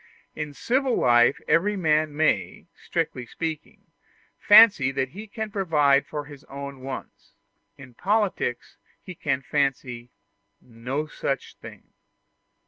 In civil life every man may, strictly speaking, fancy that he can provide for his own wants; in politics, he can fancy no such thing.